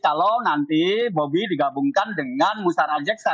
kalau nanti bobi digabungkan dengan musa rajeksa